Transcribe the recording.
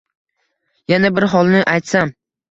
Yana bir holni aytsam.